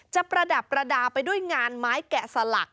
ประดับประดาษไปด้วยงานไม้แกะสลัก